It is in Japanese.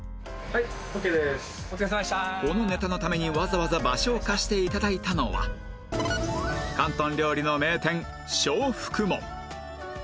このネタのためにわざわざ場所を貸して頂いたのは広東料理の名店招福門